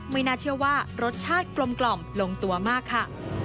ไม่น่าเชื่อว่ารสชาติกลมกล่อมลงตัวมากค่ะ